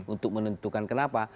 untuk menentukan kenapa